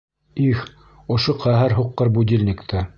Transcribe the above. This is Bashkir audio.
...Их, ошо ҡәһәр һуҡҡыр будильникты.